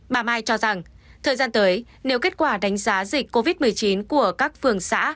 bà mai cho rằng thời gian tới nếu kết quả đánh giá dịch covid một mươi chín của các phường xã